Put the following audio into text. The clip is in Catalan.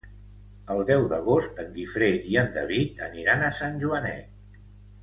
El deu d'agost en Guifré i en David aniran a Sant Joanet.